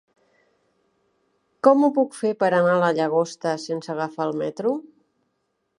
Com ho puc fer per anar a la Llagosta sense agafar el metro?